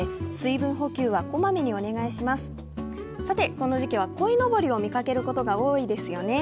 この時季はこいのぼりを見かけることが多いですよね。